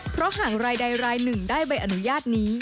เพราะหากรายใดรายหนึ่งได้ใบอนุญาตนี้